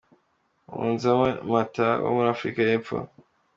Nomzamo Mbatha wo muri Afrika y'Epfo.